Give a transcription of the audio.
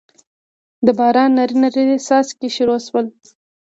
دباران نري نري څاڅکي شورو شول